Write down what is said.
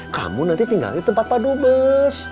kamu nanti tinggal di tempat padu bos